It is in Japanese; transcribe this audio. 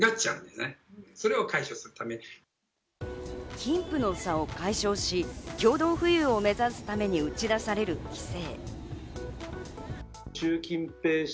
貧富の差を解消し、共同富裕を目指すために打ち出される規制。